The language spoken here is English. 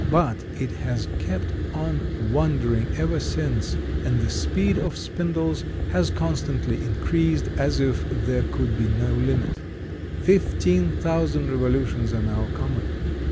But it has kept on wondering ever since, and the speed of spindles has constantly increased as if there could be no limit. 15,000 revolutions are now common.